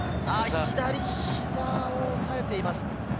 左膝を押さえています。